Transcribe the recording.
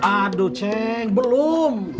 aduh ceng belum